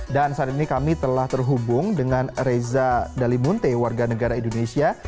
dan saat ini kami telah terhubung dengan reza dalimunte warga negara indonesia